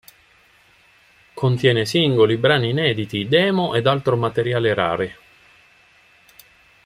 Contiene singoli, brani inediti, demo ed altro materiale rare.